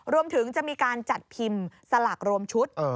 รวมถึงจะมีการจัดพิมพ์สลากรวมชุด